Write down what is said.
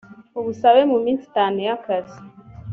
ubusabe mu minsi itanu y akazi